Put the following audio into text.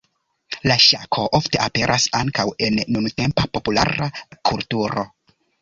La ŝako ofte aperas ankaŭ en nuntempa populara kulturo.